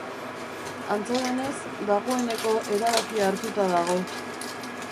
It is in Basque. Antza denez, dagoeneko erabakia hartuta dago.